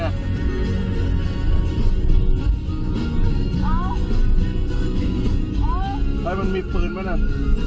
อะไรมันมีฟืนไหมนั่น